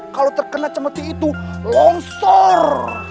kalau terkena seperti itu longsor